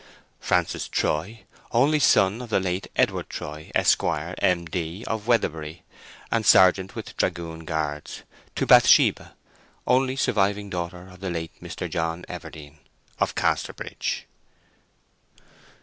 Francis Troy, only son of the late Edward Troy, Esq., M.D., of Weatherbury, and sergeant with Dragoon Guards, to Bathsheba, only surviving daughter of the late Mr. John Everdene, of Casterbridge.